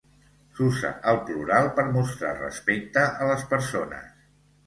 S'usa el plural per mostrar respecte a les persones.